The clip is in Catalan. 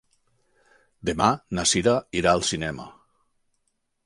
Demà na Sira irà al cinema.